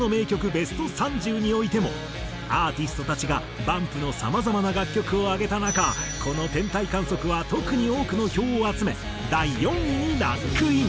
ＢＥＳＴ３０においてもアーティストたちがＢＵＭＰのさまざまな楽曲を挙げた中この『天体観測』は特に多くの票を集め第４位にランクイン。